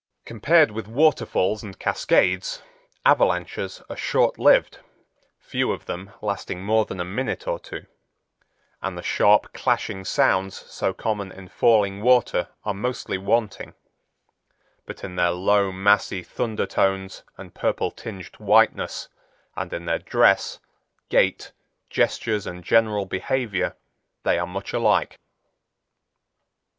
Compared with waterfalls and cascades, avalanches are short lived, few of them lasting more than a minute or two, and the sharp, clashing sounds so common in falling water are mostly wanting; but in their low massy thundertones and purple tinged whiteness, and in their dress, gait, gestures and general behavior, they are much alike.